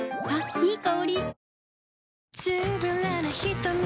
いい香り。